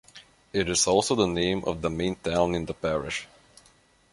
It is also the name of the main town in the parish.